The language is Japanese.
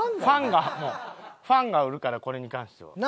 ファンがファンがおるからこれに関しては。